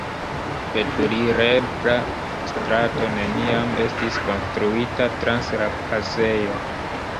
Veturebla strato neniam estis konstruita trans la pasejo.